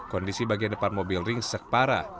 kondisi bagian depan mobil ringsek parah